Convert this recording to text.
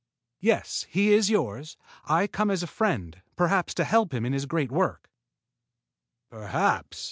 "Yes, he is yours. I come as a friend, perhaps to help him in his great work." "Perhaps!"